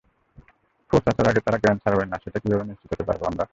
Force আসার আগে তারা গ্যান ছাড়বে না সেটা কীভাবে নিশ্চিত হতে পারব আমরা?